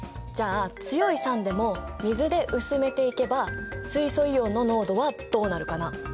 じゃあ強い酸でも水で薄めていけば水素イオンの濃度はどうなるかな？